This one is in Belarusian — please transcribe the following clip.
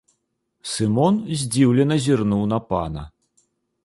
Сымон здзіўлена зірнуў на пана.